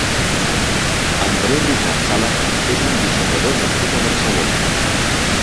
André Ricard Sala és un dissenyador nascut a Barcelona.